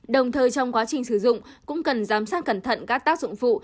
đồng thời trong quá trình sử dụng cũng cần giám sát cẩn thận các tác dụng phụ